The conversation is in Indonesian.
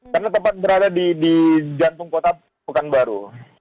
karena tempat berada di jantung kota pekanbaru